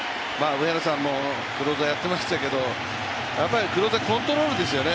上原さんもクローザーやってましたけどクローザーはやはりコントロールですよね。